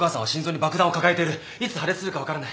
いつ破裂するか分からない